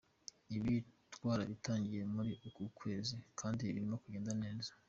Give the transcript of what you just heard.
Ibi twarabitangiye muri uku kwezi kandi birimo kugenda neza.